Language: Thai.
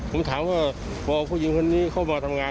ผมถามว่าพอผู้หญิงคนนี้เข้ามาทำงาน